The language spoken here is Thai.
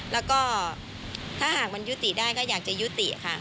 แล้วก็ถ้าหากมันยุติได้ก็อยากจะยุติค่ะ